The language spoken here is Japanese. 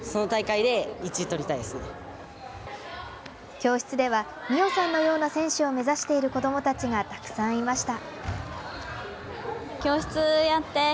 教室では美青さんのような選手を目指している子どもたちがたくさんいました。